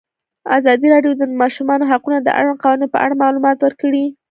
ازادي راډیو د د ماشومانو حقونه د اړونده قوانینو په اړه معلومات ورکړي.